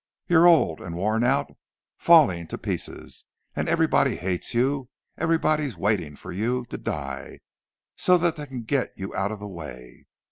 You're old and worn out—falling to pieces; and everybody hates you—everybody's waiting for you to die, so that they can get you out of the way.